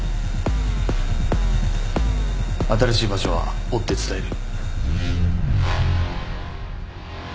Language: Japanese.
新しい場所は追って伝える。